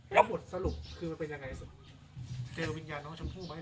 แล้วบทสรุปคือมันเป็นยังไงเจอวิญญาณน้องชมพู่ไหม